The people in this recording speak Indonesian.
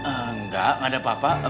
enggak ada apa apa